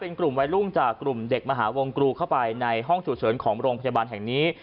เป็นกลุ่มวัยรุ่นจากกลุ่มเด็กมหาวงกรูเข้าไปในห้องฉุกเฉินของโรงพยาบาลแห่งนี้